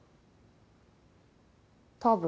多分。